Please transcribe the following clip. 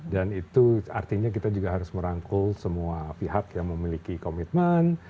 dan itu artinya kita juga harus merangkul semua pihak yang memiliki komitmen